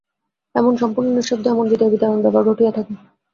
এমন সম্পূর্ণ নিঃশব্দে এমন হৃদয়বিদারণ ব্যাপার ঘটিয়া থাকে।